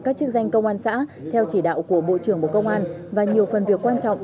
các chức danh công an xã theo chỉ đạo của bộ trưởng bộ công an và nhiều phần việc quan trọng